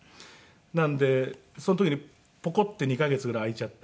なのでその時にポコッて２カ月ぐらい空いちゃって。